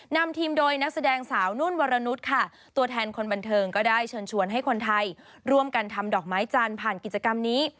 นำทีมโดยนักแสดงสาวนุ่นวรนุษย์ค่ะตัวแทนคนบันเทิงก็ได้เชิญชวนให้คนไทยร่วมกันทำดอกไม้จันทร์ผ่านกิจกรรมนี้